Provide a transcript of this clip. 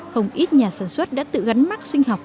không ít nhà sản xuất đã tự gắn mắc sinh học